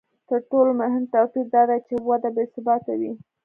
تر ټولو مهم توپیر دا دی چې وده بې ثباته وي